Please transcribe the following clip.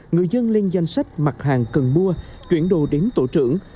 người dân lên danh sách mặt hàng cần mua chuyển đồ đến tổ trưởng